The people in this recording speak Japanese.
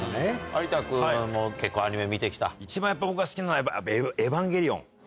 有田君は、結構アニメ見てき一番やっぱり僕が好きなのは、エヴァンゲリオン。